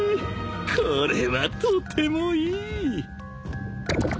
これはとてもいい！